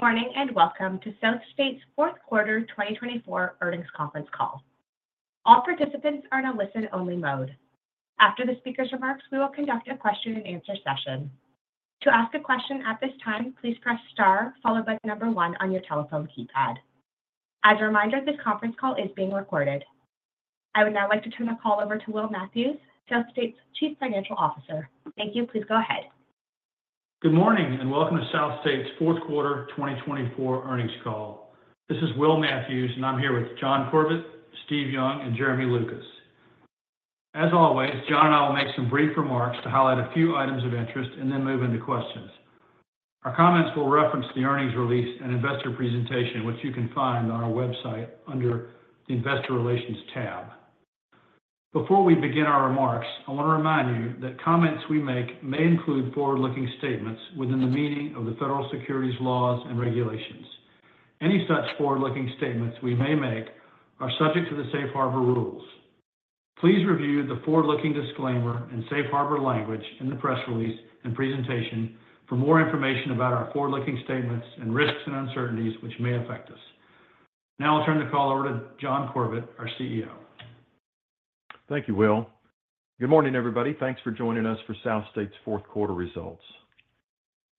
Good morning and welcome to SouthState's Fourth Quarter 2024 Earnings Conference Call. All participants are in a listen-only mode. After the speaker's remarks, we will conduct a question-and-answer session. To ask a question at this time, please press star followed by the number one on your telephone keypad. As a reminder, this conference call is being recorded. I would now like to turn the call over to Will Matthews, SouthState's Chief Financial Officer. Thank you. Please go ahead. Good morning and welcome to SouthState's Fourth Quarter 2024 Earnings Call. This is Will Matthews, and I'm here with John Corbett, Steve Young, and Jeremy Lucas. As always, John and I will make some brief remarks to highlight a few items of interest and then move into questions. Our comments will reference the earnings release and investor presentation, which you can find on our website under the Investor Relations tab. Before we begin our remarks, I want to remind you that comments we make may include forward-looking statements within the meaning of the federal securities laws and regulations. Any such forward-looking statements we may make are subject to the Safe Harbor rules. Please review the forward-looking disclaimer and Safe Harbor language in the press release and presentation for more information about our forward-looking statements and risks and uncertainties which may affect us. Now I'll turn the call over to John Corbett, our CEO. Thank you, Will. Good morning, everybody. Thanks for joining us for SouthState's fourth quarter results.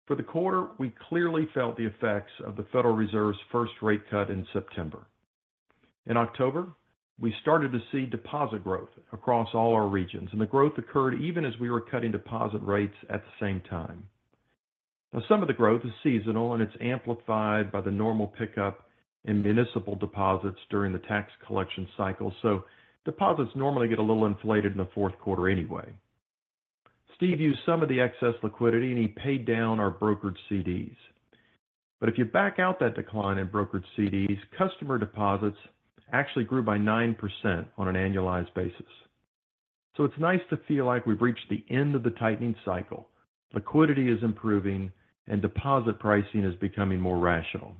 For the quarter, we clearly felt the effects of the Federal Reserve's first rate cut in September. In October, we started to see deposit growth across all our regions, and the growth occurred even as we were cutting deposit rates at the same time. Now, some of the growth is seasonal, and it's amplified by the normal pickup in municipal deposits during the tax collection cycle, so deposits normally get a little inflated in the fourth quarter anyway. Steve used some of the excess liquidity, and he paid down our brokered CDs. But if you back out that decline in brokered CDs, customer deposits actually grew by 9% on an annualized basis. So it's nice to feel like we've reached the end of the tightening cycle. Liquidity is improving, and deposit pricing is becoming more rational.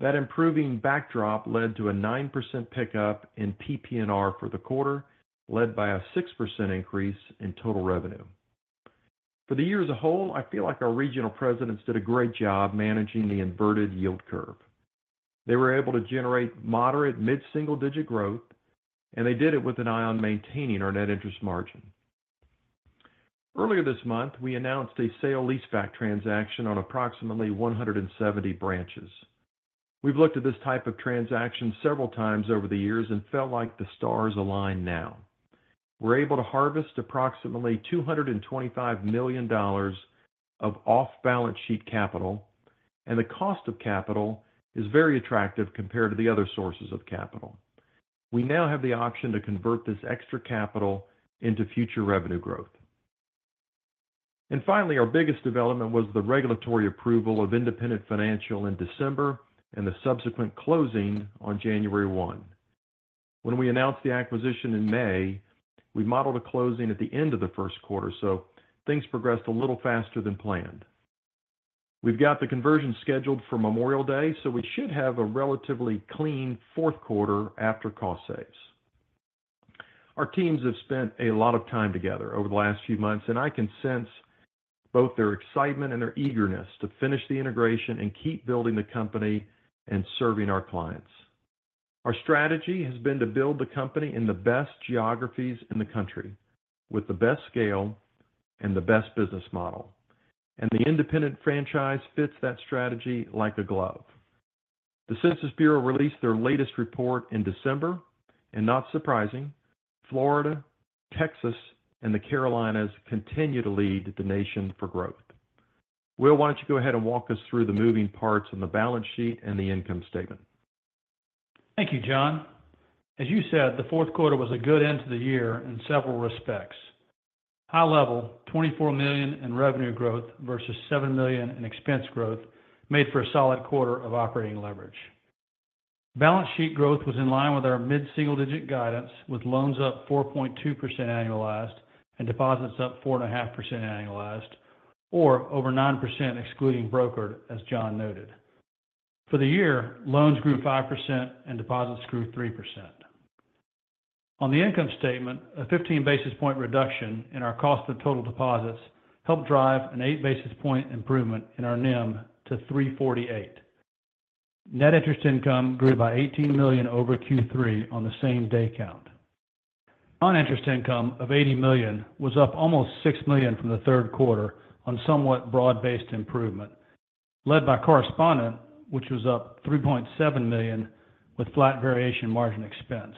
That improving backdrop led to a 9% pickup in PPNR for the quarter, led by a 6% increase in total revenue. For the year as a whole, I feel like our regional presidents did a great job managing the inverted yield curve. They were able to generate moderate mid-single-digit growth, and they did it with an eye on maintaining our net interest margin. Earlier this month, we announced a sale leaseback transaction on approximately 170 branches. We've looked at this type of transaction several times over the years and felt like the stars align now. We're able to harvest approximately $225 million of off-balance sheet capital, and the cost of capital is very attractive compared to the other sources of capital. We now have the option to convert this extra capital into future revenue growth. And finally, our biggest development was the regulatory approval of Independent Financial in December and the subsequent closing on January 1. When we announced the acquisition in May, we modeled a closing at the end of the first quarter, so things progressed a little faster than planned. We've got the conversion scheduled for Memorial Day, so we should have a relatively clean fourth quarter after cost saves. Our teams have spent a lot of time together over the last few months, and I can sense both their excitement and their eagerness to finish the integration and keep building the company and serving our clients. Our strategy has been to build the company in the best geographies in the country with the best scale and the best business model, and the Independent Financial franchise fits that strategy like a glove. The U.S. Census Bureau released their latest report in December, and not surprisingly, Florida, Texas, and the Carolinas continue to lead the nation for growth. Will, why don't you go ahead and walk us through the moving parts on the balance sheet and the income statement? Thank you, John. As you said, the fourth quarter was a good end to the year in several respects. High level, $24 million in revenue growth versus $7 million in expense growth made for a solid quarter of operating leverage. Balance sheet growth was in line with our mid-single-digit guidance, with loans up 4.2% annualized and deposits up 4.5% annualized, or over 9% excluding brokered, as John noted. For the year, loans grew 5% and deposits grew 3%. On the income statement, a 15 basis point reduction in our cost of total deposits helped drive an 8 basis point improvement in our NIM to 348. Net interest income grew by $18 million over Q3 on the same day count. Non-interest income of $80 million was up almost $6 million from the third quarter on somewhat broad-based improvement, led by correspondent, which was up $3.7 million with flat variation margin expense.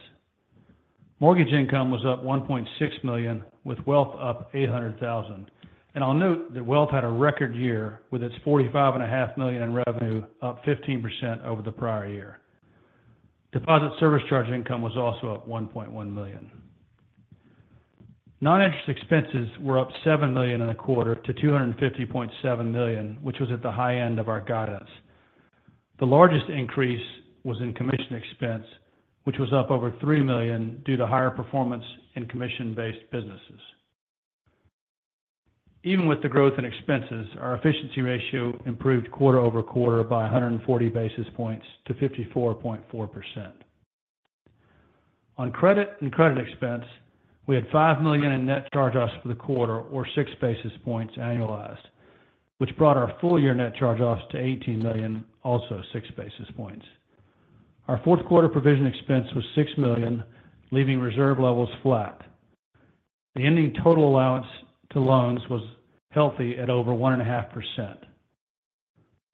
Mortgage income was up $1.6 million, with wealth up $800,000, and I'll note that wealth had a record year with its $45.5 million in revenue up 15% over the prior year. Deposit service charge income was also up $1.1 million. Non-interest expenses were up $7 million in the quarter to $250.7 million, which was at the high end of our guidance. The largest increase was in commission expense, which was up over $3 million due to higher performance in commission-based businesses. Even with the growth in expenses, our efficiency ratio improved quarter over quarter by 140 basis points to 54.4%. On credit and credit expense, we had $5 million in net charge-offs for the quarter, or 6 basis points annualized, which brought our full-year net charge-offs to $18 million, also 6 basis points. Our fourth quarter provision expense was $6 million, leaving reserve levels flat. The ending total allowance to loans was healthy at over 1.5%.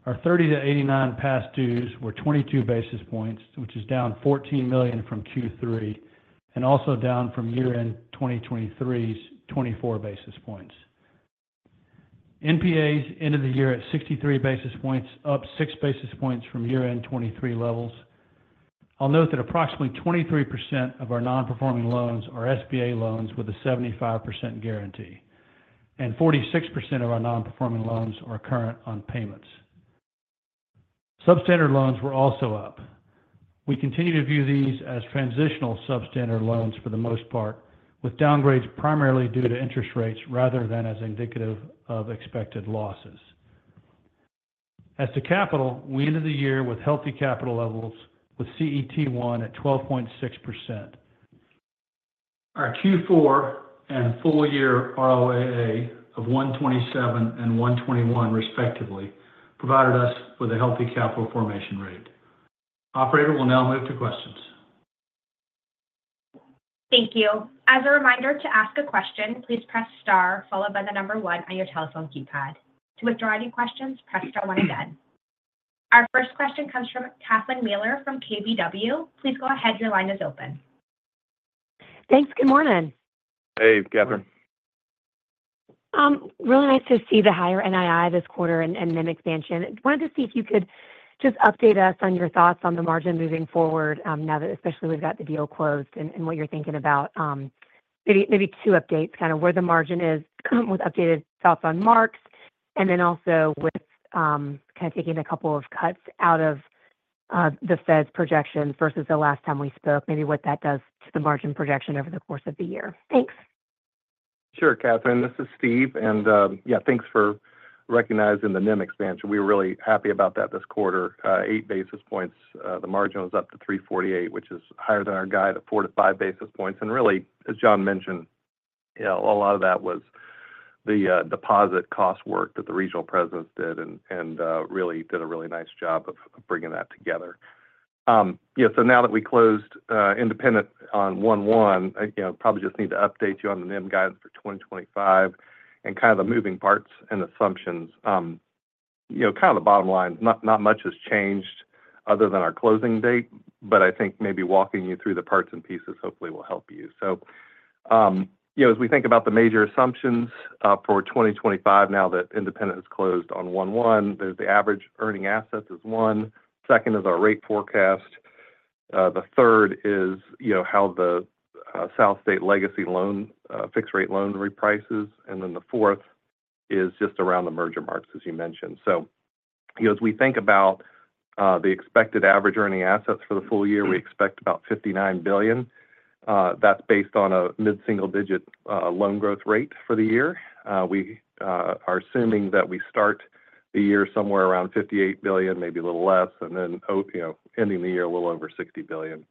Our 30- to 89-day past dues were 22 basis points, which is down $14 million from Q3 and also down from year-end 2023's 24 basis points. NPAs ended the year at 63 basis points, up 6 basis points from year-end 2023 levels. I'll note that approximately 23% of our non-performing loans are SBA loans with a 75% guarantee, and 46% of our non-performing loans are current on payments. Substandard loans were also up. We continue to view these as transitional substandard loans for the most part, with downgrades primarily due to interest rates rather than as indicative of expected losses. As to capital, we ended the year with healthy capital levels with CET1 at 12.6%. Our Q4 and full-year ROAA of 1.27% and 1.21% respectively provided us with a healthy capital formation rate. Operator will now move to questions. Thank you. As a reminder, to ask a question, please press star followed by the number one on your telephone keypad. To withdraw any questions, press star one again. Our first question comes from Catherine Mealor from KBW. Please go ahead. Your line is open. Thanks. Good morning. Hey, Catherine. Really nice to see the higher NII this quarter and NIM expansion. Wanted to see if you could just update us on your thoughts on the margin moving forward, now that especially we've got the deal closed and what you're thinking about. Maybe two updates, kind of where the margin is with updated thoughts on Marks, and then also with kind of taking a couple of cuts out of the Fed's projections versus the last time we spoke, maybe what that does to the margin projection over the course of the year. Thanks. Sure, Catherine. This is Steve. And yeah, thanks for recognizing the NIM expansion. We were really happy about that this quarter. Eight basis points. The margin was up to 3.48%, which is higher than our guide of four to five basis points. And really, as John mentioned, a lot of that was the deposit cost work that the regional presidents did and really did a really nice job of bringing that together. So now that we closed Independent on 1/1, I probably just need to update you on the NIM guidance for 2025 and kind of the moving parts and assumptions. Kind of the bottom line, not much has changed other than our closing date, but I think maybe walking you through the parts and pieces hopefully will help you. So as we think about the major assumptions for 2025, now that Independent has closed on 1/1, there's the average earning asset is one. Second is our rate forecast. The third is how the SouthState legacy fixed-rate loan reprices. And then the fourth is just around the merger marks, as you mentioned. So as we think about the expected average earning assets for the full year, we expect about $59 billion. That's based on a mid-single-digit loan growth rate for the year. We are assuming that we start the year somewhere around $58 billion, maybe a little less, and then ending the year a little over $60 billion.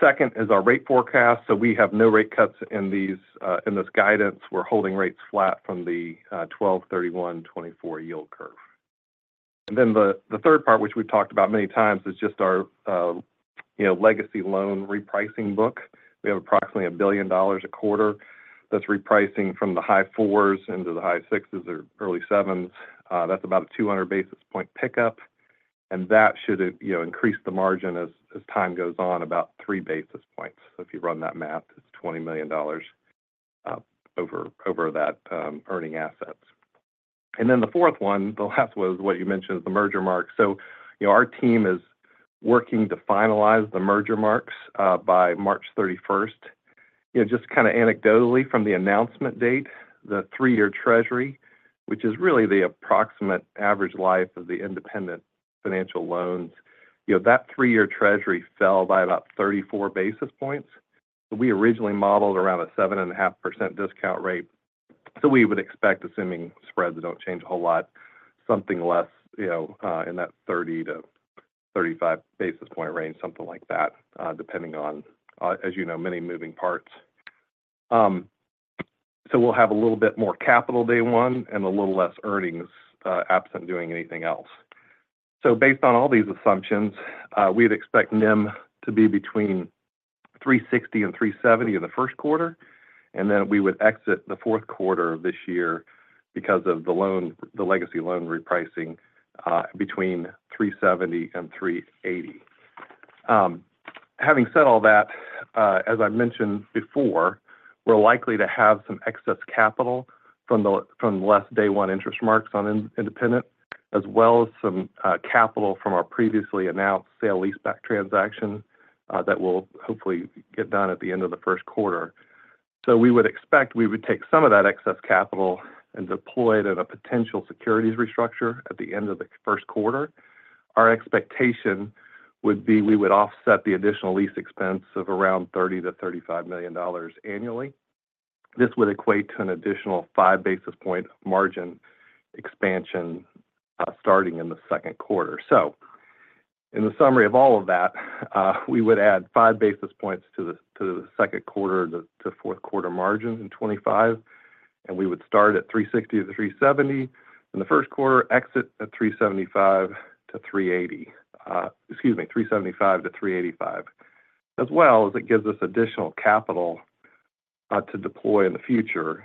Second is our rate forecast. So we have no rate cuts in this guidance. We're holding rates flat from the 12/31/24 yield curve. And then the third part, which we've talked about many times, is just our legacy loan repricing book. We have approximately $1 billion a quarter that's repricing from the high fours into the high sixes or early sevens. That's about a 200 basis point pickup. And that should increase the margin as time goes on about three basis points. So if you run that math, it's $20 million over that earning assets. And then the fourth one, the last was what you mentioned is the merger marks. So our team is working to finalize the merger marks by March 31st. Just kind of anecdotally, from the announcement date, the three-year treasury, which is really the approximate average life of the Independent Financial loans, that three-year treasury fell by about 34 basis points. We originally modeled around a 7.5% discount rate. So we would expect, assuming spreads don't change a whole lot, something less in that 30-35 basis point range, something like that, depending on, as you know, many moving parts. So we'll have a little bit more capital day one and a little less earnings absent doing anything else. So based on all these assumptions, we'd expect NIM to be between 3.60% and 3.70% in the first quarter. And then we would exit the fourth quarter of this year because of the legacy loan repricing between 3.70% and 3.80%. Having said all that, as I mentioned before, we're likely to have some excess capital from less day one interest marks on Independent, as well as some capital from our previously announced sale leaseback transaction that will hopefully get done at the end of the first quarter. So we would expect we would take some of that excess capital and deploy it in a potential securities restructure at the end of the first quarter. Our expectation would be we would offset the additional lease expense of around $30-$35 million annually. This would equate to an additional five basis point margin expansion starting in the second quarter. So in the summary of all of that, we would add five basis points to the second quarter to fourth quarter margin in 2025. And we would start at 360-370 in the first quarter, exit at 375-380, excuse me, 375-385, as well as it gives us additional capital to deploy in the future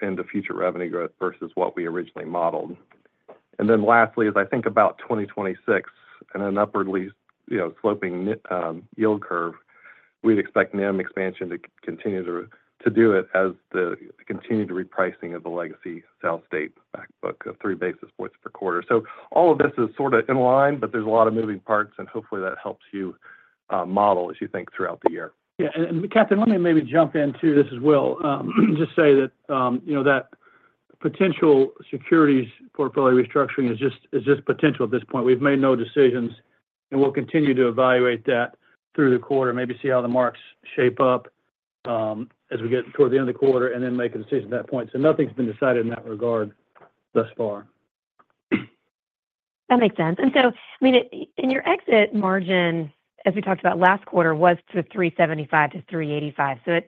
into future revenue growth versus what we originally modeled. And then lastly, as I think about 2026 and an upwardly sloping yield curve, we'd expect NIM expansion to continue due to the continued repricing of the legacy SouthState backbook of three basis points per quarter. So all of this is sort of in line, but there's a lot of moving parts, and hopefully that helps you model as you think throughout the year. Yeah. And Catherine, let me maybe jump into this as well. Just say that that potential securities portfolio restructuring is just potential at this point. We've made no decisions, and we'll continue to evaluate that through the quarter, maybe see how the marks shape up as we get toward the end of the quarter and then make a decision at that point. So nothing's been decided in that regard thus far. That makes sense. And so, I mean, in your exit margin, as we talked about last quarter, was 375-385. So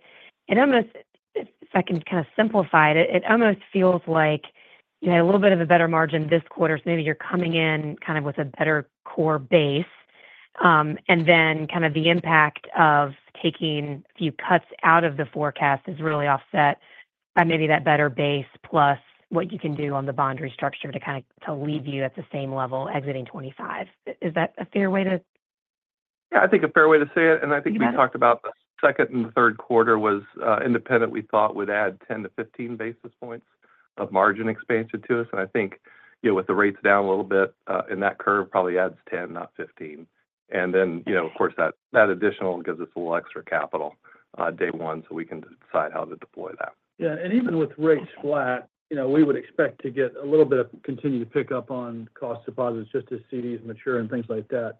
if I can kind of simplify it, it almost feels like you had a little bit of a better margin this quarter. So maybe you're coming in kind of with a better core base. And then kind of the impact of taking a few cuts out of the forecast is really offset by maybe that better base plus what you can do on the bond restructure to kind of leave you at the same level exiting 2025. Is that a fair way to? Yeah, I think a fair way to say it. And I think we talked about the second and third quarter was Independent. We thought we'd add 10-15 basis points of margin expansion to us. And I think with the rates down a little bit in that curve, probably adds 10, not 15. And then, of course, that additional gives us a little extra capital day one so we can decide how to deploy that. Yeah. And even with rates flat, we would expect to get a little bit of continued pickup on cost deposits just to see these mature and things like that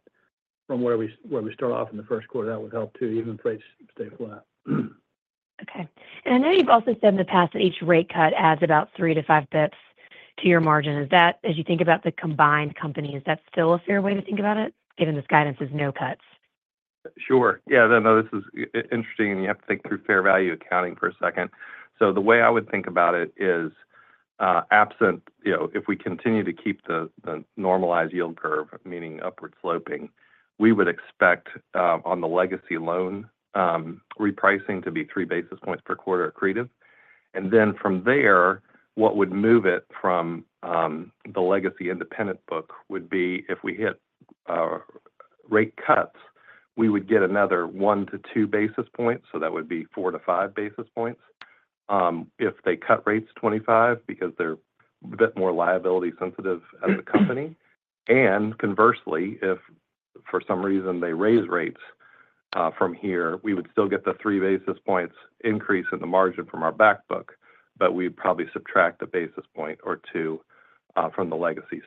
from where we start off in the first quarter. That would help too, even if rates stay flat. Okay. And I know you've also said in the past that each rate cut adds about three to five basis points to your margin. As you think about the combined companies, is that still a fair way to think about it, given this guidance is no cuts? Sure. Yeah. No, this is interesting, and you have to think through fair value accounting for a second. So the way I would think about it is absent if we continue to keep the normalized yield curve, meaning upward sloping, we would expect on the legacy loan repricing to be three basis points per quarter accretive. And then from there, what would move it from the legacy Independent book would be if we hit rate cuts, we would get another one to two basis points. So that would be four to five basis points if they cut rates to $25 because they're a bit more liability sensitive as a company. And, conversely, if for some reason they raise rates from here, we would still get the three basis points increase in the margin from our backbook, but we'd probably subtract a basis point or two from the legacy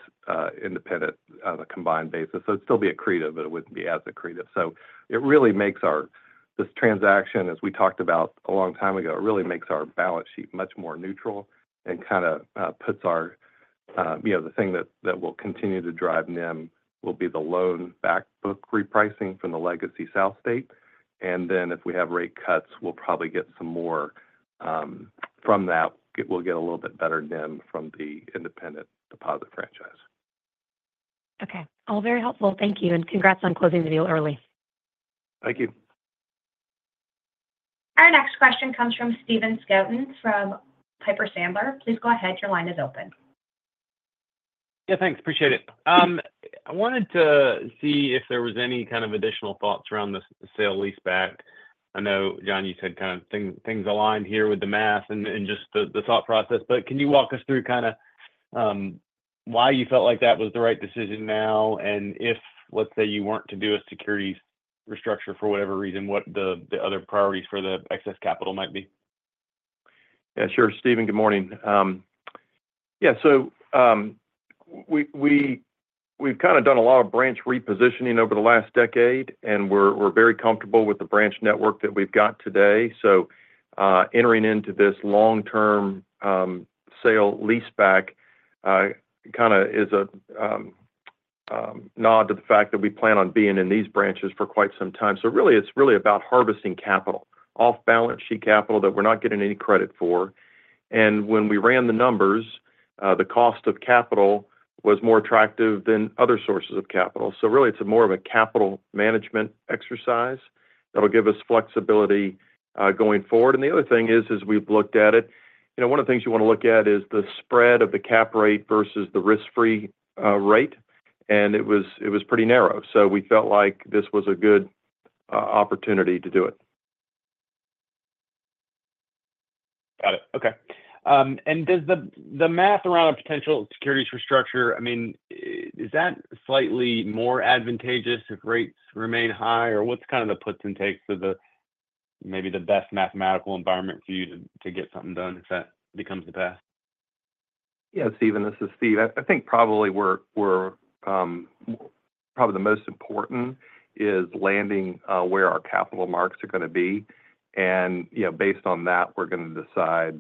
Independent, the combined basis. So it'd still be accretive, but it wouldn't be as accretive. So it really makes our this transaction, as we talked about a long time ago, it really makes our balance sheet much more neutral and kind of puts our the thing that will continue to drive NIM will be the loan backbook repricing from the legacy SouthState. And then if we have rate cuts, we'll probably get some more from that. We'll get a little bit better NIM from the Independent deposit franchise. Okay. All very helpful. Thank you. And congrats on closing the deal early. Thank you. Our next question comes from Stephen Scouten from Piper Sandler. Please go ahead. Your line is open. Yeah, thanks. Appreciate it. I wanted to see if there was any kind of additional thoughts around the sale leaseback. I know, John, you said kind of things aligned here with the math and just the thought process. But can you walk us through kind of why you felt like that was the right decision now? And if, let's say, you weren't to do a securities restructure for whatever reason, what the other priorities for the excess capital might be? Yeah, sure. Stephen, good morning. Yeah. So we've kind of done a lot of branch repositioning over the last decade, and we're very comfortable with the branch network that we've got today. So entering into this long-term sale-leaseback kind of is a nod to the fact that we plan on being in these branches for quite some time. So really, it's really about harvesting capital, off-balance-sheet capital that we're not getting any credit for. And when we ran the numbers, the cost of capital was more attractive than other sources of capital. So really, it's more of a capital management exercise that'll give us flexibility going forward. And the other thing is, as we've looked at it, one of the things you want to look at is the spread of the cap rate versus the risk-free rate. And it was pretty narrow. So we felt like this was a good opportunity to do it. Got it. Okay. And does the math around a potential securities restructure, I mean, is that slightly more advantageous if rates remain high? Or what's kind of the puts and takes of maybe the best mathematical environment for you to get something done if that becomes the path? Yeah, Stephen, this is Steve. I think probably the most important is landing where our capital markets are going to be, and based on that, we're going to decide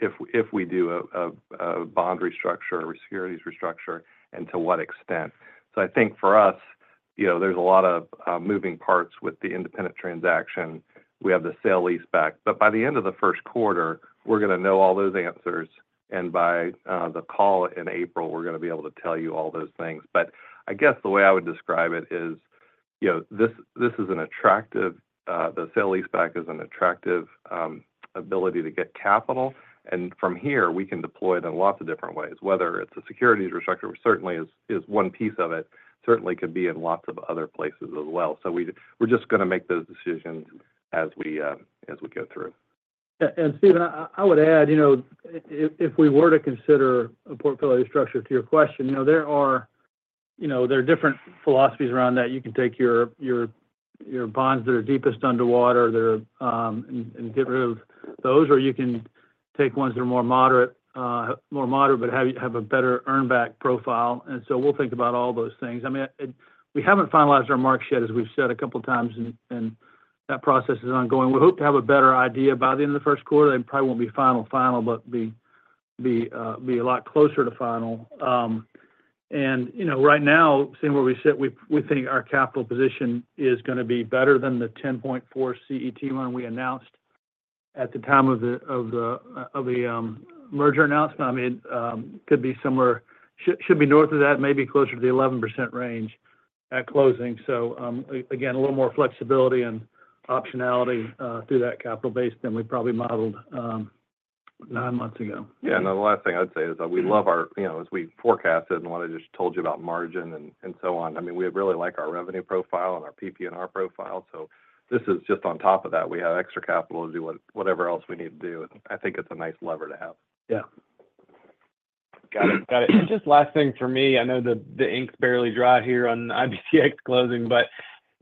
if we do a bond restructure or a securities restructure and to what extent, so I think for us, there's a lot of moving parts with the Independent transaction. We have the sale-leaseback, but by the end of the first quarter, we're going to know all those answers, and by the call in April, we're going to be able to tell you all those things. But I guess the way I would describe it is the sale-leaseback is an attractive ability to get capital. And from here, we can deploy it in lots of different ways. Whether it's a securities restructure, certainly is one piece of it. Certainly could be in lots of other places as well. So we're just going to make those decisions as we go through. And Stephen, I would add, if we were to consider a portfolio structure to your question, there are different philosophies around that. You can take your bonds that are deepest underwater and get rid of those, or you can take ones that are more moderate but have a better earnback profile. And so we'll think about all those things. I mean, we haven't finalized our marks yet, as we've said a couple of times, and that process is ongoing. We hope to have a better idea by the end of the first quarter. They probably won't be final, final, but be a lot closer to final. And right now, seeing where we sit, we think our capital position is going to be better than the 10.4 CET1 line we announced at the time of the merger announcement. I mean, it could be somewhere should be north of that, maybe closer to the 11% range at closing. So again, a little more flexibility and optionality through that capital base than we probably modeled nine months ago. Yeah. And the last thing I'd say is we love ours as we forecasted and what I just told you about margin and so on. I mean, we really like our revenue profile and our PPNR profile. So this is just on top of that. We have extra capital to do whatever else we need to do. I think it's a nice lever to have. Yeah. Got it. Got it. Just last thing for me. I know the ink's barely dry here on IBTX closing, but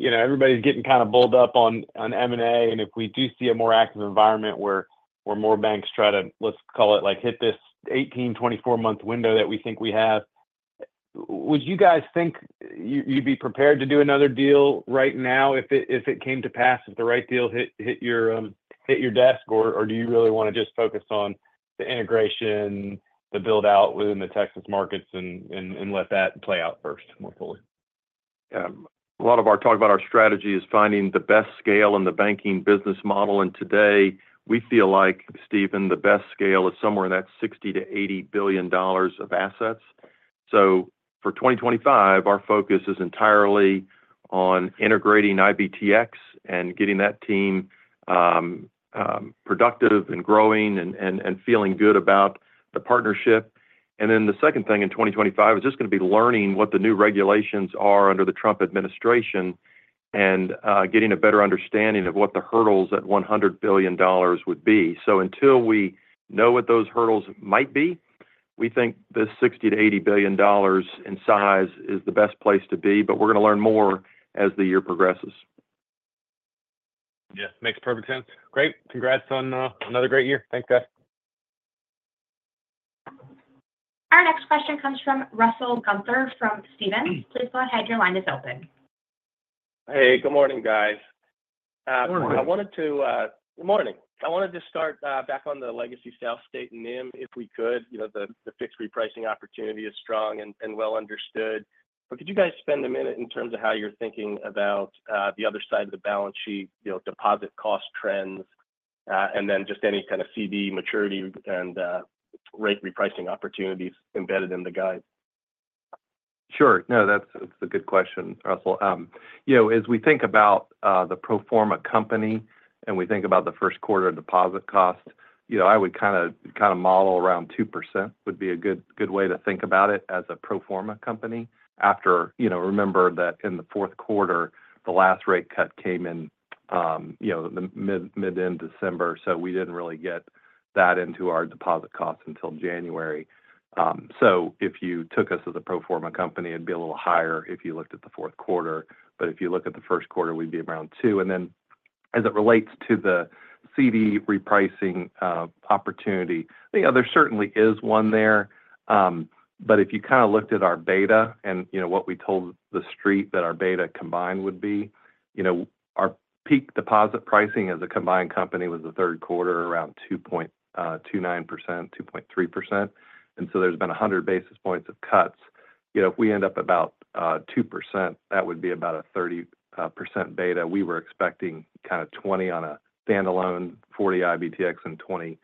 everybody's getting kind of bulled up on M&A. And if we do see a more active environment where more banks try to, let's call it, hit this 18-24-month window that we think we have, would you guys think you'd be prepared to do another deal right now if it came to pass, if the right deal hit your desk? Or do you really want to just focus on the integration, the build-out within the Texas markets, and let that play out first more fully? Yeah. A lot of our talk about our strategy is finding the best scale in the banking business model. And today, we feel like, Stephen, the best scale is somewhere in that $60-$80 billion of assets. So for 2025, our focus is entirely on integrating IBTX and getting that team productive and growing and feeling good about the partnership. And then the second thing in 2025 is just going to be learning what the new regulations are under the Trump administration and getting a better understanding of what the hurdles at $100 billion would be. So until we know what those hurdles might be, we think this $60-$80 billion in size is the best place to be. But we're going to learn more as the year progresses. Yeah. Makes perfect sense. Great. Congrats on another great year. Thanks, guys. Our next question comes from Russell Gunther from Stephens. Please go ahead. Your line is open. Hey. Good morning, guys. Good morning. Good morning. I wanted to start back on the legacy SouthState and NIM if we could. The fixed repricing opportunity is strong and well understood. But could you guys spend a minute in terms of how you're thinking about the other side of the balance sheet, deposit cost trends, and then just any kind of CD maturity and rate repricing opportunities embedded in the guide? Sure. No, that's a good question, Russell. As we think about the pro forma company and we think about the first quarter deposit cost, I would kind of model around 2% would be a good way to think about it as a pro forma company. After, remember that in the fourth quarter, the last rate cut came in mid to end December, so we didn't really get that into our deposit costs until January. So if you took us as a pro forma company, it'd be a little higher if you looked at the fourth quarter. But if you look at the first quarter, we'd be around 2. And then as it relates to the C&I repricing opportunity, there certainly is one there. But if you kind of looked at our beta and what we told the street that our beta combined would be, our peak deposit pricing as a combined company was the third quarter around 2.29%, 2.3%. And so there's been 100 basis points of cuts. If we end up about 2%, that would be about a 30% beta. We were expecting kind of 20 on a standalone, 40 IBTX, and 20,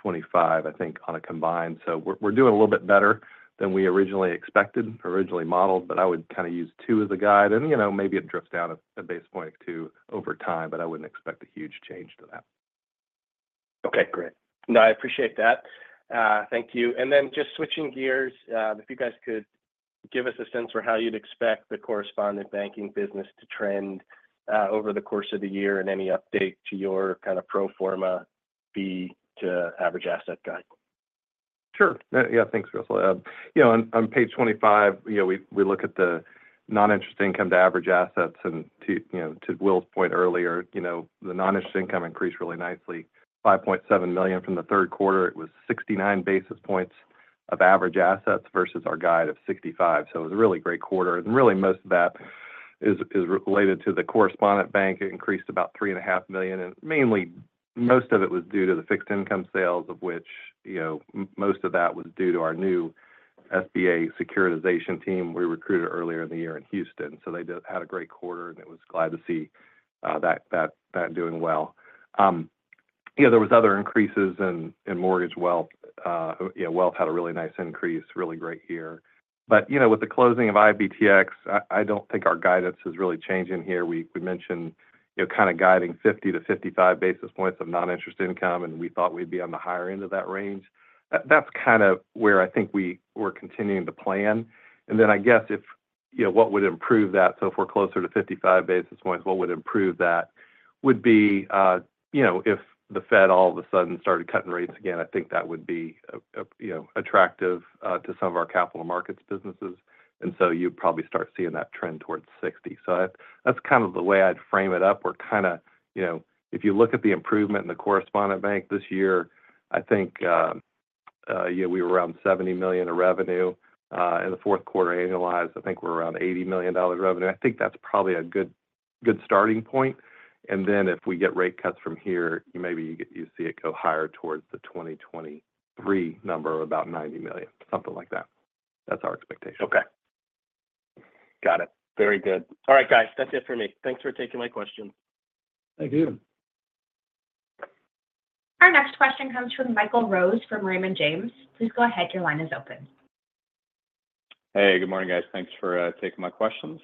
25, I think, on a combined. So we're doing a little bit better than we originally expected, originally modeled, but I would kind of use 2 as a guide. And maybe it drifts down a basis point or 2 over time, but I wouldn't expect a huge change to that. Okay. Great. No, I appreciate that. Thank you. And then just switching gears, if you guys could give us a sense for how you'd expect the correspondent banking business to trend over the course of the year and any update to your kind of pro forma Fee to average asset guide? Sure. Yeah. Thanks, Russell. On page 25, we look at the non-interest income to average assets, and to Will's point earlier, the non-interest income increased really nicely, $5.7 million from the third quarter. It was 69 basis points of average assets versus our guide of 65 basis points, so it was a really great quarter, and really, most of that is related to the correspondent bank. It increased about $3.5 million, and mainly, most of it was due to the fixed income sales, of which most of that was due to our new SBA securitization team we recruited earlier in the year in Houston, so they had a great quarter, and it was glad to see that doing well. There were other increases in mortgage wealth. Wealth had a really nice increase, really great year, but with the closing of IBTX, I don't think our guidance is really changing here. We mentioned kind of guiding 50-55 basis points of non-interest income, and we thought we'd be on the higher end of that range. That's kind of where I think we were continuing to plan. Then I guess if what would improve that? So if we're closer to 55 basis points, what would improve that would be if the Fed all of a sudden started cutting rates again. I think that would be attractive to some of our capital markets businesses. So you'd probably start seeing that trend towards 60. That's kind of the way I'd frame it up. Or kind of if you look at the improvement in the correspondent bank this year, I think we were around $70 million of revenue. In the fourth quarter annualized, I think we're around $80 million revenue. I think that's probably a good starting point. Then if we get rate cuts from here, maybe you see it go higher towards the 2023 number of about $90 million, something like that. That's our expectation. Okay. Got it. Very good. All right, guys. That's it for me. Thanks for taking my questions. Thank you. Our next question comes from Michael Rose from Raymond James. Please go ahead. Your line is open. Hey. Good morning, guys. Thanks for taking my questions.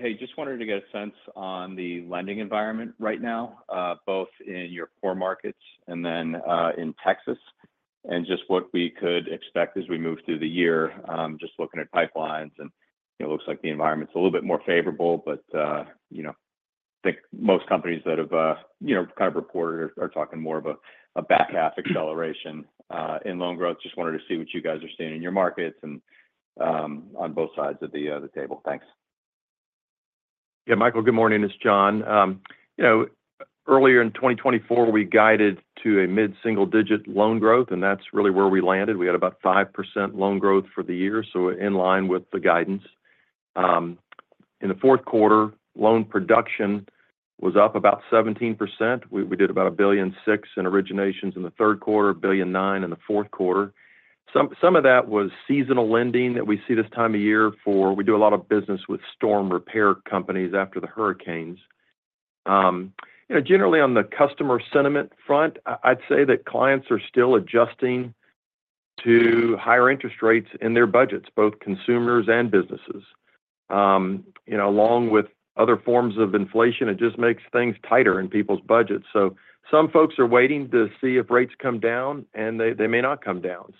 Hey, just wanted to get a sense on the lending environment right now, both in your core markets and then in Texas, and just what we could expect as we move through the year, just looking at pipelines. And it looks like the environment's a little bit more favorable, but I think most companies that have kind of reported are talking more of a back half acceleration in loan growth. Just wanted to see what you guys are seeing in your markets and on both sides of the table. Thanks. Yeah. Michael, good morning. It's John. Earlier in 2024, we guided to a mid-single-digit loan growth, and that's really where we landed. We had about 5% loan growth for the year, so in line with the guidance. In the fourth quarter, loan production was up about 17%. We did about $1.6 billion in originations in the third quarter, $1.9 billion in the fourth quarter. Some of that was seasonal lending that we see this time of year for we do a lot of business with storm repair companies after the hurricanes. Generally, on the customer sentiment front, I'd say that clients are still adjusting to higher interest rates in their budgets, both consumers and businesses. Along with other forms of inflation, it just makes things tighter in people's budgets. So some folks are waiting to see if rates come down, and they may not come down.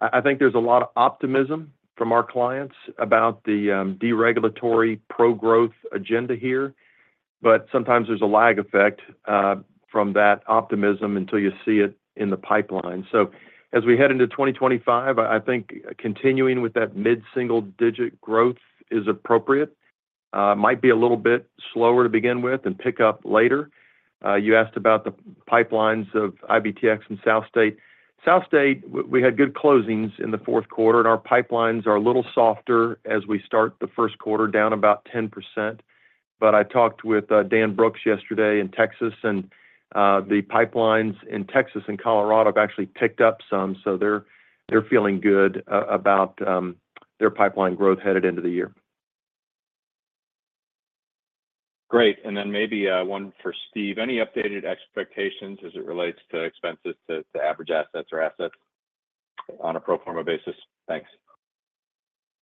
So I think there's a lot of optimism from our clients about the deregulatory pro growth agenda here. But sometimes there's a lag effect from that optimism until you see it in the pipeline. So as we head into 2025, I think continuing with that mid-single-digit growth is appropriate. Might be a little bit slower to begin with and pick up later. You asked about the pipelines of IBTX and SouthState. SouthState, we had good closings in the fourth quarter, and our pipelines are a little softer as we start the first quarter, down about 10%. But I talked with Dan Brooks yesterday in Texas, and the pipelines in Texas and Colorado have actually picked up some. So they're feeling good about their pipeline growth headed into the year. Great. And then maybe one for Steve. Any updated expectations as it relates to expenses to average assets or assets on a pro forma basis? Thanks.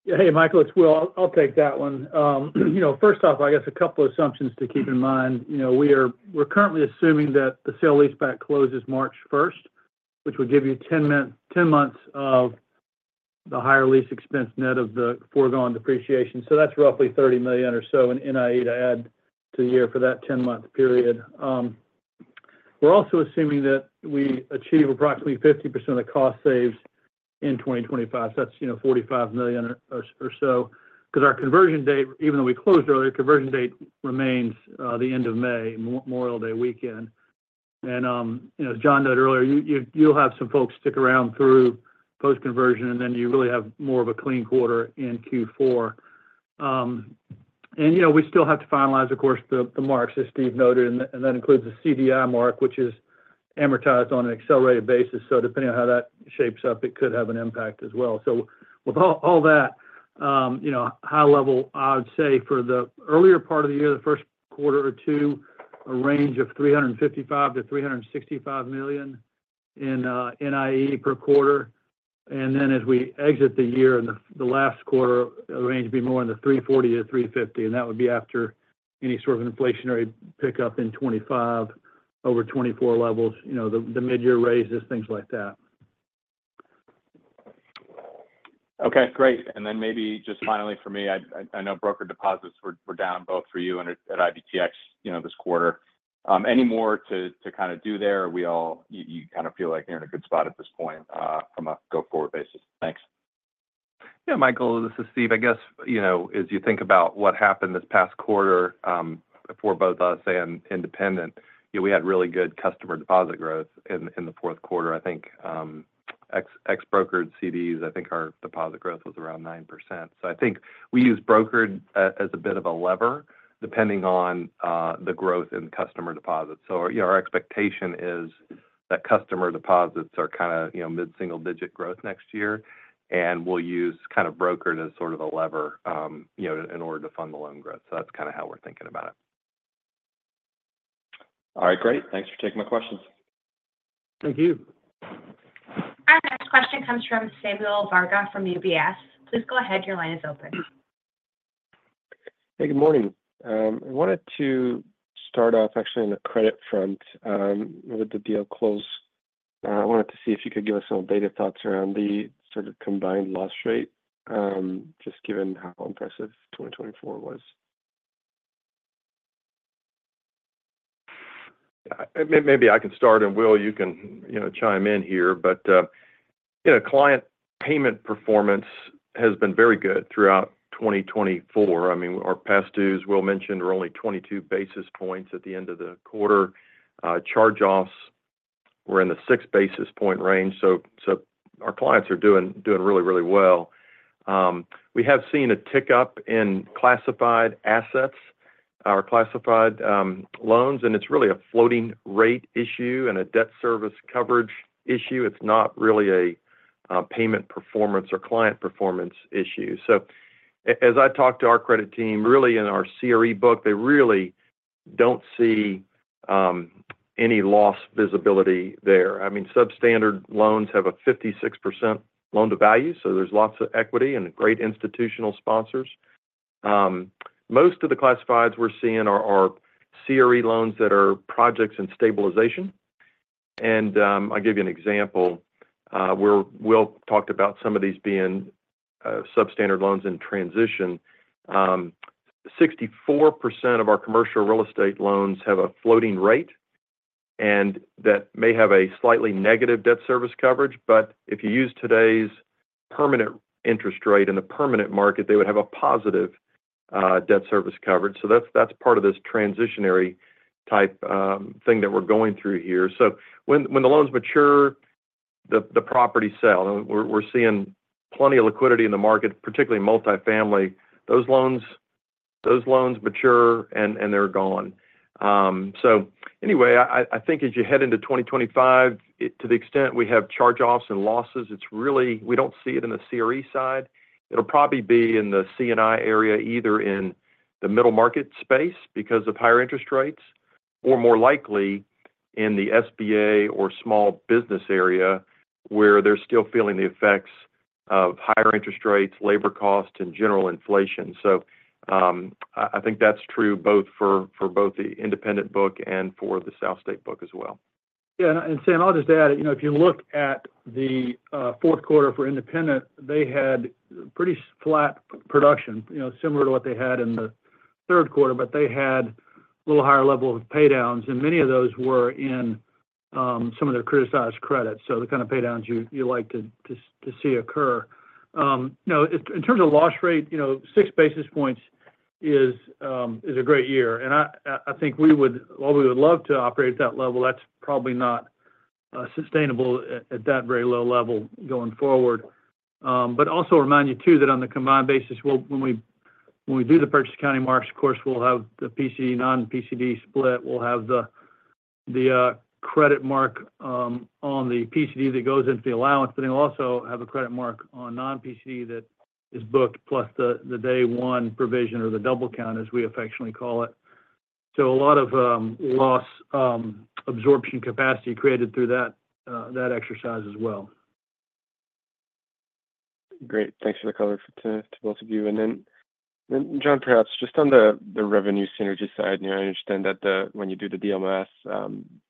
Yeah. Hey, Michael. It's Will. I'll take that one. First off, I guess a couple of assumptions to keep in mind. We're currently assuming that the sale lease back closes March 1st, which would give you 10 months of the higher lease expense net of the foregone depreciation. So that's roughly $30 million or so in NIE to add to the year for that 10-month period. We're also assuming that we achieve approximately 50% of the cost saves in 2025. So that's $45 million or so. Because our conversion date, even though we closed earlier, conversion date remains the end of May, Memorial Day weekend. And as John noted earlier, you'll have some folks stick around through post-conversion, and then you really have more of a clean quarter in Q4. And we still have to finalize, of course, the marks, as Steve noted. That includes the CDI mark, which is amortized on an accelerated basis. Depending on how that shapes up, it could have an impact as well. With all that, high level, I would say for the earlier part of the year, the first quarter or two, a range of $355 million-$365 million in NII per quarter. Then as we exit the year and the last quarter, a range would be more in the $340 million-$350 million. That would be after any sort of inflationary pickup in 2025 over 2024 levels, the mid-year raises, things like that. Okay. Great. And then maybe just finally for me, I know broker deposits were down both for you and at IBTX this quarter. Any more to kind of do there? You kind of feel like you're in a good spot at this point from a go-forward basis. Thanks. Yeah. Michael, this is Steve. I guess as you think about what happened this past quarter for both us and Independent, we had really good customer deposit growth in the fourth quarter. I think ex-brokered CDs, I think our deposit growth was around 9%. So I think we use brokered as a bit of a lever depending on the growth in customer deposits. So our expectation is that customer deposits are kind of mid-single-digit growth next year. And we'll use kind of brokered as sort of a lever in order to fund the loan growth. So that's kind of how we're thinking about it. All right. Great. Thanks for taking my questions. Thank you. Our next question comes from Samuel Varga from UBS. Please go ahead. Your line is open. Hey. Good morning. I wanted to start off actually on the credit front. With the deal closed, I wanted to see if you could give us some data points around the sort of combined loss rate, just given how impressive 2024 was. Maybe I can start, and Will, you can chime in here, but client payment performance has been very good throughout 2024. I mean, our past dues, Will mentioned, were only 22 basis points at the end of the quarter. Charge-offs were in the 6-basis-point range, so our clients are doing really, really well. We have seen a tick up in classified assets or classified loans, and it's really a floating rate issue and a debt service coverage issue. It's not really a payment performance or client performance issue, so as I talked to our credit team, really in our CRE book, they really don't see any loss visibility there. I mean, substandard loans have a 56% loan to value, so there's lots of equity and great institutional sponsors. Most of the classifieds we're seeing are CRE loans that are projects and stabilization, and I'll give you an example. Will talked about some of these being substandard loans in transition. 64% of our commercial real estate loans have a floating rate, and that may have a slightly negative debt service coverage, but if you use today's permanent interest rate in the permanent market, they would have a positive debt service coverage. That's part of this transitional type thing that we're going through here, so when the loans mature, the properties sell. We're seeing plenty of liquidity in the market, particularly multifamily. Those loans mature, and they're gone. Anyway, I think as you head into 2025, to the extent we have charge-offs and losses, we don't see it in the CRE side. It'll probably be in the C&I area, either in the middle market space because of higher interest rates, or more likely in the SBA or small business area where they're still feeling the effects of higher interest rates, labor costs, and general inflation. So I think that's true both for the Independent book and for the SouthState book as well. Yeah. And Sam, I'll just add it. If you look at the fourth quarter for Independent, they had pretty flat production, similar to what they had in the third quarter, but they had a little higher level of paydowns. And many of those were in some of their criticized credits, so the kind of paydowns you like to see occur. In terms of loss rate, 6 basis points is a great year. And I think all we would love to operate at that level, that's probably not sustainable at that very low level going forward. But also remind you too that on the combined basis, when we do the purchase accounting marks, of course, we'll have the PCD, non-PCD split. We'll have the credit mark on the PCD that goes into the allowance, but then we'll also have a credit mark on non-PCD that is booked, plus the day-one provision or the double count, as we affectionately call it. So a lot of loss absorption capacity created through that exercise as well. Great. Thanks for the color to both of you. And then, John, perhaps just on the revenue synergy side, I understand that when you do the DMs,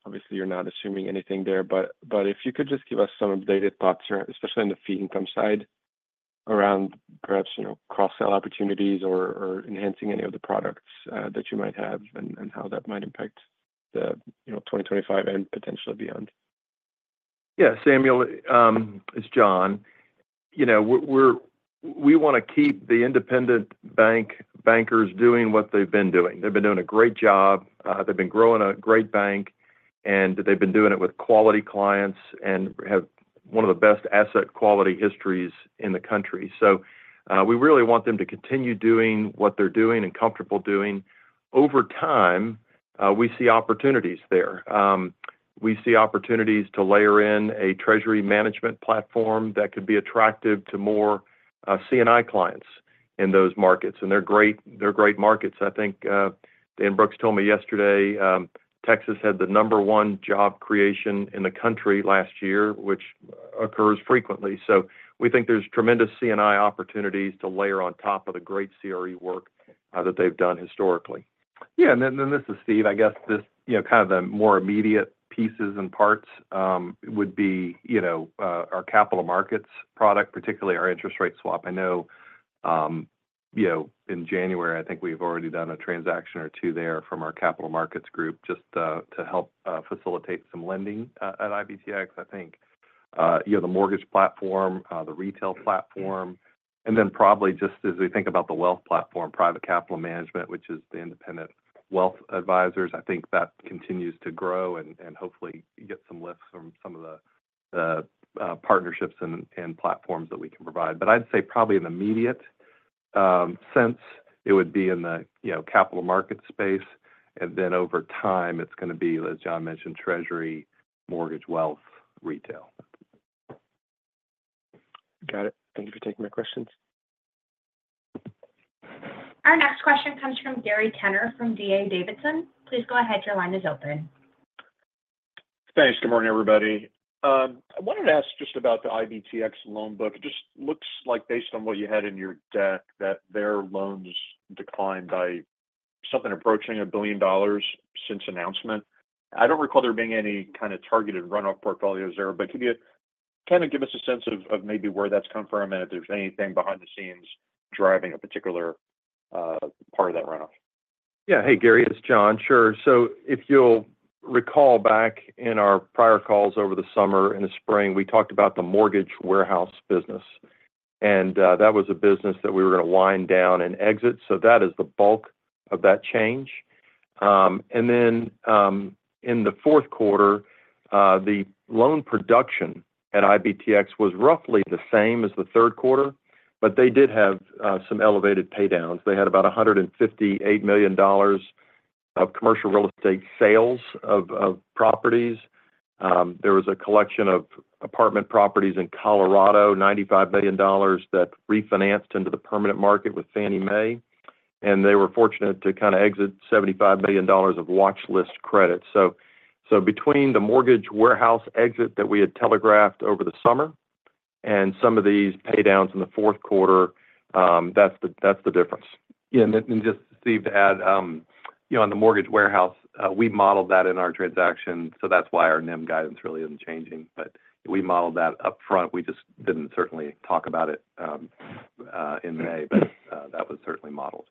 obviously, you're not assuming anything there. But if you could just give us some updated thoughts, especially on the fee income side, around perhaps cross-sell opportunities or enhancing any of the products that you might have and how that might impact 2025 and potentially beyond? Yeah. Samuel, it's John. We want to keep the Independent Bank bankers doing what they've been doing. They've been doing a great job. They've been growing a great bank, and they've been doing it with quality clients and have one of the best asset quality histories in the country. So we really want them to continue doing what they're doing and comfortable doing. Over time, we see opportunities there. We see opportunities to layer in a treasury management platform that could be attractive to more C&I clients in those markets. And they're great markets. I think Dan Brooks told me yesterday, Texas had the number one job creation in the country last year, which occurs frequently. So we think there's tremendous C&I opportunities to layer on top of the great CRE work that they've done historically. Yeah. And then this is Steve. I guess kind of the more immediate pieces and parts would be our capital markets product, particularly our interest rate swap. I know in January, I think we've already done a transaction or two there from our capital markets group just to help facilitate some lending at IBTX. I think the mortgage platform, the retail platform, and then probably just as we think about the wealth platform, Private Capital Management, which is the Independent wealth advisors. I think that continues to grow and hopefully get some lifts from some of the partnerships and platforms that we can provide. But I'd say probably in the immediate sense, it would be in the capital market space. And then over time, it's going to be, as John mentioned, treasury, mortgage, wealth, retail. Got it. Thank you for taking my questions. Our next question comes from Gary Tenner from DA Davidson. Please go ahead. Your line is open. Thanks. Good morning, everybody. I wanted to ask just about the IBTX loan book. It just looks like, based on what you had in your deck, that their loans declined by something approaching $1 billion since announcement. I don't recall there being any kind of targeted runoff portfolios there. But can you kind of give us a sense of maybe where that's come from and if there's anything behind the scenes driving a particular part of that runoff? Yeah. Hey, Gary. It's John. Sure. So if you'll recall back in our prior calls over the summer and the spring, we talked about the mortgage warehouse business. And that was a business that we were going to wind down and exit. So that is the bulk of that change. And then in the fourth quarter, the loan production at IBTX was roughly the same as the third quarter, but they did have some elevated paydowns. They had about $158 million of commercial real estate sales of properties. There was a collection of apartment properties in Colorado, $95 million that refinanced into the permanent market with Fannie Mae. And they were fortunate to kind of exit $75 million of watchlist credit. So between the mortgage warehouse exit that we had telegraphed over the summer and some of these paydowns in the fourth quarter, that's the difference. Yeah. And just to Steve to add, on the mortgage warehouse, we modeled that in our transaction. So that's why our NIM guidance really isn't changing. But we modeled that upfront. We just didn't certainly talk about it in May, but that was certainly modeled.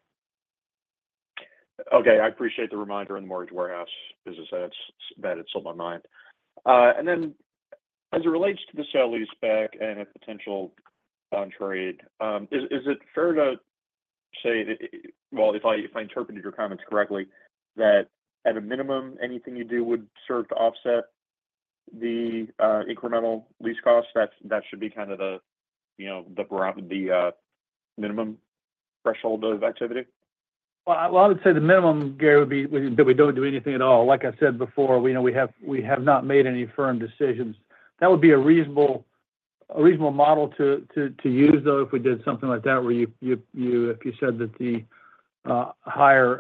Okay. I appreciate the reminder on the mortgage warehouse business. That had slipped my mind. Then as it relates to the sale-leaseback and a potential downgrade, is it fair to say, well, if I interpreted your comments correctly, that at a minimum, anything you do would serve to offset the incremental lease costs? That should be kind of the minimum threshold of activity? I would say the minimum, Gary, would be that we don't do anything at all. Like I said before, we have not made any firm decisions. That would be a reasonable model to use, though, if we did something like that, where if you said that the higher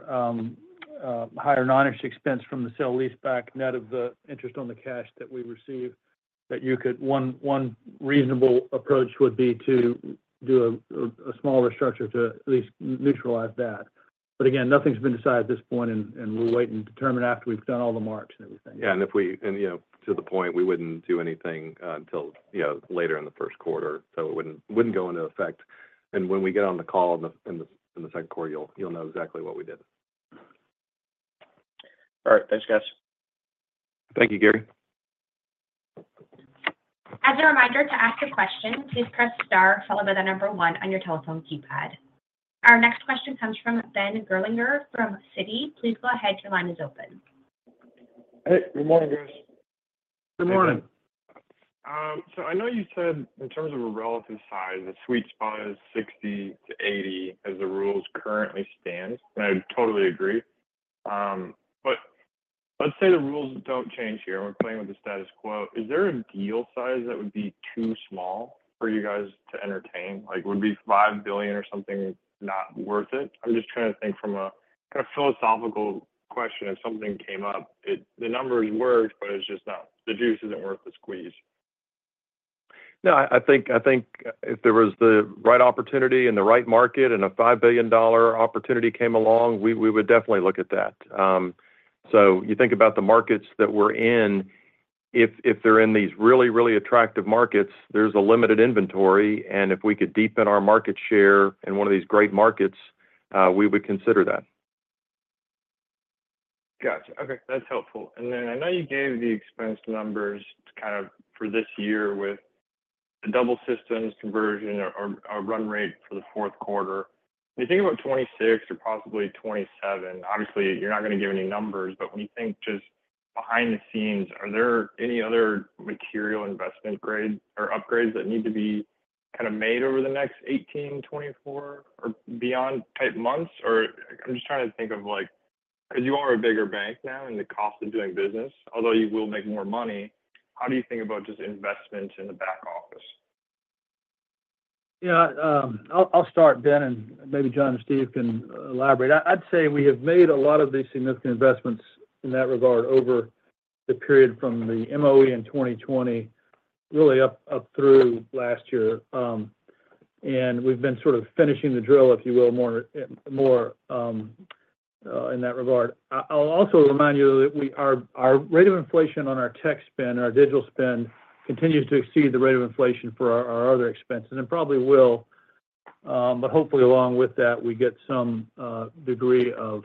non-interest expense from the sale-leaseback net of the interest on the cash that we receive, that one reasonable approach would be to do a smaller structure to at least neutralize that. But again, nothing's been decided at this point, and we'll wait and determine after we've done all the marks and everything. Yeah. And to the point, we wouldn't do anything until later in the first quarter. So it wouldn't go into effect. And when we get on the call in the second quarter, you'll know exactly what we did. All right. Thanks, guys. Thank you, Gary. As a reminder to ask a question, please press star followed by the number one on your telephone keypad. Our next question comes from Ben Gerlinger from Citi. Please go ahead. Your line is open. Hey. Good morning, guys. Good morning. So I know you said in terms of a relative size, the sweet spot is 60 to 80 as the rules currently stand. And I totally agree. But let's say the rules don't change here, and we're playing with the status quo. Is there a deal size that would be too small for you guys to entertain? Would it be $5 billion or something not worth it? I'm just trying to think from a kind of philosophical question. If something came up, the numbers work, but it's just the juice isn't worth the squeeze. No, I think if there was the right opportunity and the right market and a $5 billion opportunity came along, we would definitely look at that. So you think about the markets that we're in. If they're in these really, really attractive markets, there's a limited inventory. And if we could deepen our market share in one of these great markets, we would consider that. Gotcha. Okay. That's helpful. And then I know you gave the expense numbers kind of for this year with the double systems conversion or run rate for the fourth quarter. When you think about 2026 or possibly 2027, obviously, you're not going to give any numbers. But when you think just behind the scenes, are there any other material investment grade or upgrades that need to be kind of made over the next 18, 24, or beyond type months? Or I'm just trying to think of because you are a bigger bank now and the cost of doing business, although you will make more money, how do you think about just investment in the back office? Yeah. I'll start, Ben, and maybe John and Steve can elaborate. I'd say we have made a lot of these significant investments in that regard over the period from the MOE in 2020, really up through last year. And we've been sort of finishing the drill, if you will, more in that regard. I'll also remind you that our rate of inflation on our tech spend, our digital spend, continues to exceed the rate of inflation for our other expenses and probably will. But hopefully, along with that, we get some degree of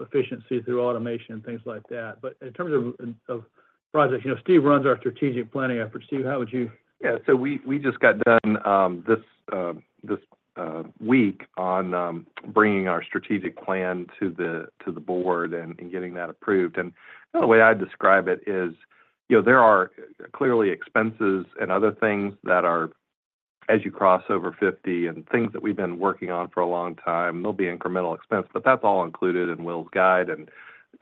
efficiency through automation and things like that. But in terms of projects, Steve runs our strategic planning efforts. Steve, how would you? Yeah. So we just got done this week on bringing our strategic plan to the board and getting that approved. And the way I'd describe it is there are clearly expenses and other things that are, as you cross over 50 and things that we've been working on for a long time, there'll be incremental expense, but that's all included in Will's guide. And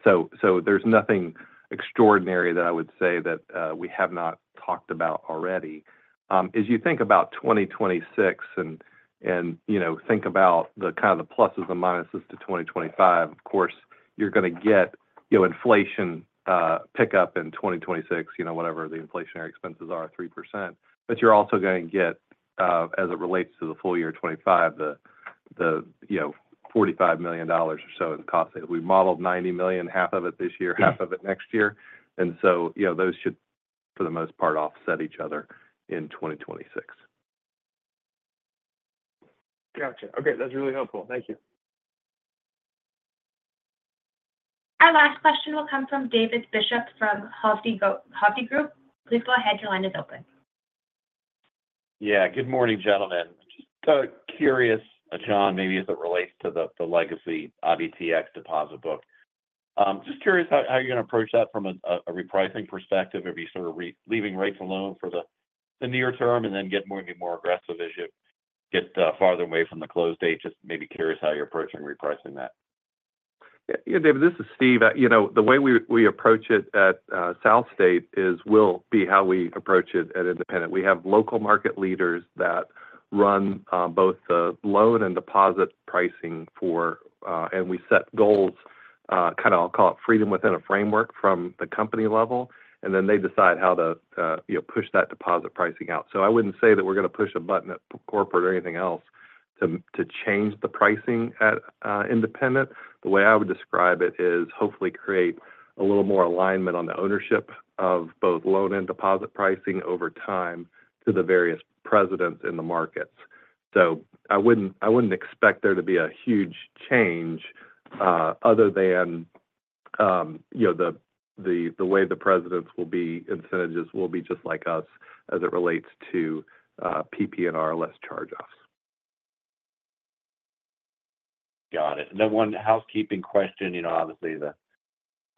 so there's nothing extraordinary that I would say that we have not talked about already. As you think about 2026 and think about kind of the pluses and minuses to 2025, of course, you're going to get inflation pickup in 2026, whatever the inflationary expenses are, 3%. But you're also going to get, as it relates to the full year 2025, the $45 million or so in cost savings. We modeled $90 million, $45 million of it this year, $45 million of it next year. Those should, for the most part, offset each other in 2026. Gotcha. Okay. That's really helpful. Thank you. Our last question will come from David Bishop from Hovde Group. Please go ahead. Your line is open. Yeah. Good morning, gentlemen. Just curious, John, maybe as it relates to the legacy IBTX deposit book. Just curious how you're going to approach that from a repricing perspective. Are you sort of leaving rates alone for the near term and then getting more and more aggressive as you get farther away from the close date? Just maybe curious how you're approaching repricing that. Yeah. David, this is Steve. The way we approach it at SouthState will be how we approach it at Independent. We have local market leaders that run both the loan and deposit pricing for, and we set goals, kind of I'll call it freedom within a framework from the company level. And then they decide how to push that deposit pricing out. So I wouldn't say that we're going to push a button at corporate or anything else to change the pricing at Independent. The way I would describe it is hopefully create a little more alignment on the ownership of both loan and deposit pricing over time to the various presidents in the markets. So I wouldn't expect there to be a huge change other than the way the presidents' incentives will be just like us as it relates to PPNR less charge-offs. Got it. And then one housekeeping question. Obviously, the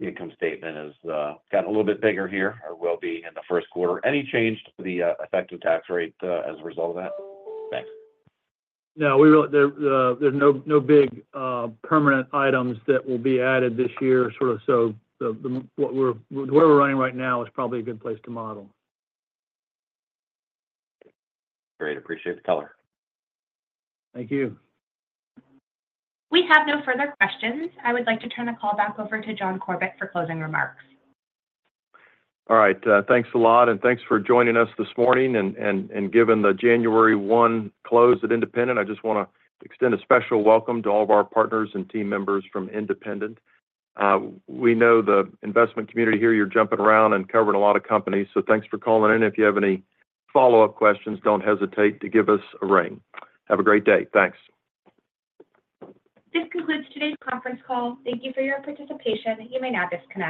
income statement has gotten a little bit bigger here or will be in the first quarter. Any change to the effective tax rate as a result of that? Thanks. No. There's no big permanent items that will be added this year. So where we're running right now is probably a good place to model. Great. Appreciate the color. Thank you. We have no further questions. I would like to turn the call back over to John Corbett for closing remarks. All right. Thanks a lot. And thanks for joining us this morning. And given the January 1 close at Independent, I just want to extend a special welcome to all of our partners and team members from Independent. We know the investment community here, you're jumping around and covering a lot of companies. So thanks for calling in. If you have any follow-up questions, don't hesitate to give us a ring. Have a great day. Thanks. This concludes today's conference call. Thank you for your participation. You may now disconnect.